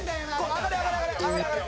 上がれ上がれ上がれ！